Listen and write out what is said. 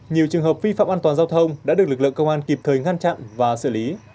nhiều trường hợp vi phạm an toàn giao thông đã được lực lượng công an kịp thời ngăn chặn và xử lý